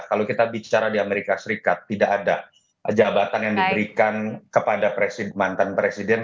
kalau kita bicara di amerika serikat tidak ada jabatan yang diberikan kepada mantan presiden